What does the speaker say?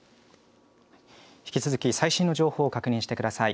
引き続き、最新の情報を確認してください。